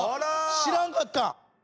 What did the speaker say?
知らんかった。